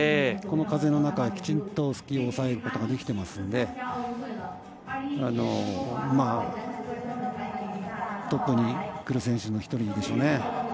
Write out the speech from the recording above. この風の中、きちんとスキーを抑えることができていますんでトップにくる選手の１人でしょうね。